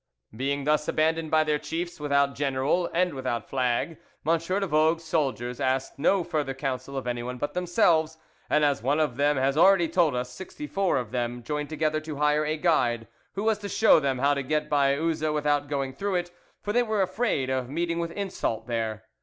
Being thus abandoned by their chiefs, without general and without flag, M. de Vogue's soldiers asked no further counsel of anyone but themselves, and, as one of them has already told us, sixty four of them joined together to hire a guide who was to show them how to get by Uzes without going through it, for they were afraid of meeting with insult there.